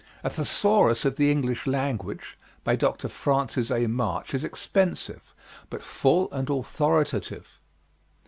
"A Thesaurus of the English Language," by Dr. Francis A. March, is expensive, but full and authoritative.